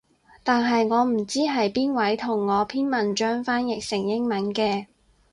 但係我唔知係邊位同我篇文章翻譯成英語嘅